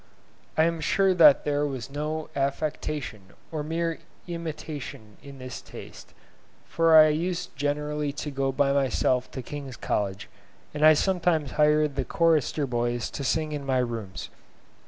I am sure that there was no affectation or mere imitation in this taste, for I used generally to go by myself to King's College, and I sometimes hired the chorister boys to sing in my rooms.